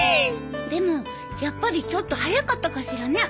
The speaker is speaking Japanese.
でもやっぱりちょっと早かったかしらね。